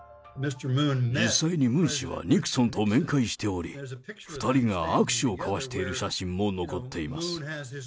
実際にムン氏はニクソンと面会しており、２人が握手を交わしている写真も残っています。